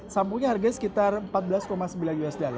sampungnya harganya sekitar empat belas sembilan usd